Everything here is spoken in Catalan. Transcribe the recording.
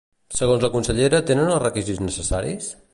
Segons la consellera tenen els requisits necessaris?